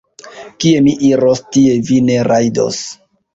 Kie mi iros, tie vi ne rajdos.